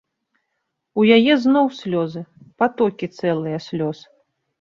У яе зноў слёзы, патокі цэлыя слёз.